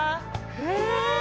へえ！